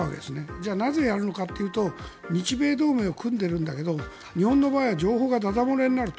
じゃあなぜやるのかというと日米同盟を組んでいるんだけども日本の場合は情報がだだ漏れになると。